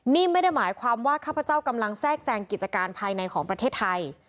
นี่ไม่ได้หมายความว่าข้าพเจ้ากำลังแทรกแซงกิจการภายในของประเทศไทย